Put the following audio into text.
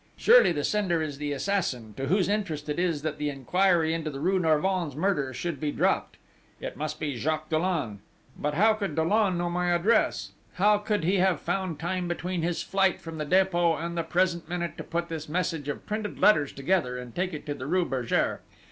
Surely the sender is the assassin, to whose interest it is that the inquiry into the rue Norvins murder should be dropped!... It must be Jacques Dollon!... But how could Dollon know my address? How could he have found time between his flight from the Dépôt and the present minute, to put this message of printed letters together, and take it to the rue Bergere?...